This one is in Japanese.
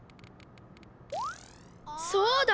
そうだ！